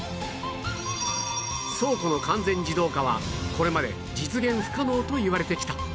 倉庫の完全自動化はこれまで実現不可能といわれてきた